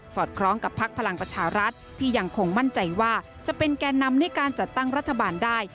คล้องกับพักพลังประชารัฐที่ยังคงมั่นใจว่าจะเป็นแก่นำในการจัดตั้งรัฐบาลได้